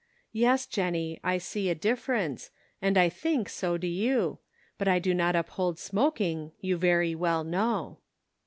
" Yes Jennie, I see a difference, and I think, so do you ; but I do not uphold smok ing, you very well know."